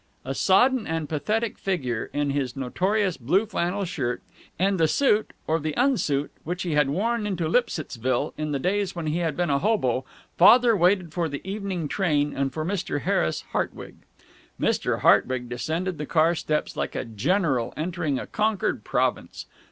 A sodden and pathetic figure, in his notorious blue flannel shirt, and the suit, or the unsuit, which he had worn into Lipsittsville in the days when he had been a hobo, Father waited for the evening train and for Mr. Harris Hartwig. Mr. Hartwig descended the car steps like a general entering a conquered province.